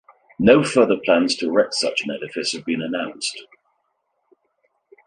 No further plans to erect such an edifice have been announced.